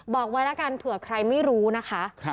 บอกไว้แล้วกันเผื่อใครไม่รู้นะคะ